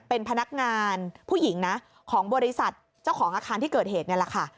เป็นพนักงานผู้หญิงนะของบริษัทเจ้าของอาคารที่เกิดเหตุนี่แหละค่ะ